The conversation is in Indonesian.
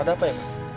ada apa ya pak